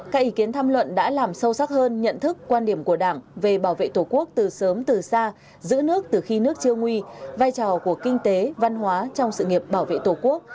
các ý kiến tham luận đã làm sâu sắc hơn nhận thức quan điểm của đảng về bảo vệ tổ quốc từ sớm từ xa giữ nước từ khi nước chưa nguy vai trò của kinh tế văn hóa trong sự nghiệp bảo vệ tổ quốc